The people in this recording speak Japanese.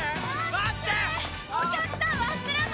待ってー！